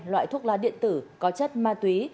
loại thuốc lá điện tử có chất ma túy